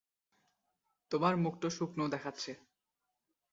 তোমার মুখটা শুকনো দেখাচ্ছে।